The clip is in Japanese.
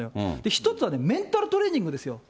一つはね、メンタルトレーニングですよ。